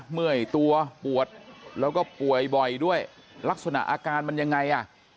เมื่อยตัวปวดแล้วก็ป่วยบ่อยด้วยลักษณะอาการมันยังไงอ่ะ